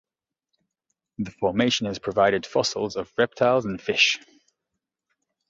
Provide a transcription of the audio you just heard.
The formation has provided fossils of reptiles and fish.